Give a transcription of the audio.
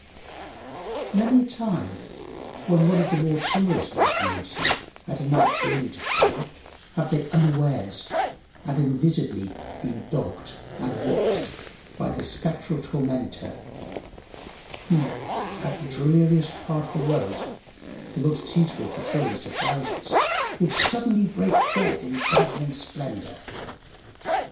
Many a time, when one of the more timorous of the community had a night journey to perform, have they unawares and invisibly been dogged and watched by this spectral tormentor, who, at the dreariest part of the road—the most suitable for thrilling surprises—would suddenly break forth in dazzling splendour.